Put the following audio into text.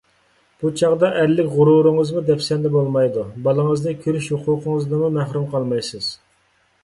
بۇ چاغدا ئەرلىك غۇرۇرىڭىزمۇ دەپسەندە بولمايدۇ، بالىڭىزنى كۆرۈش ھوقۇقىڭىزدىنمۇ مەھرۇم قالمايسىز.